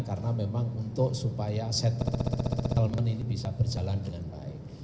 karena memang untuk supaya settlement ini bisa berjalan dengan baik